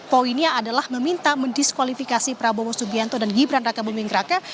poinnya adalah meminta mendiskualifikasi prabowo subianto dan gibran raka buming raka